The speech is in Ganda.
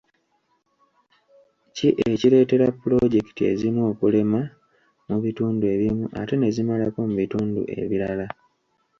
Ki ekireetera puloojekiti ezimu okulema mu bitundu ebimu ate ne zimalako mu bitundu ebirala?